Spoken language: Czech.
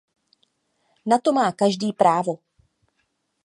Na to má každý právo.